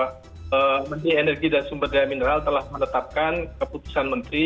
menteri energi dan sumber daya mineral telah menetapkan keputusan menteri